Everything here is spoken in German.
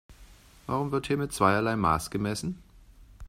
Warum wird hier mit zweierlei Maß gemessen?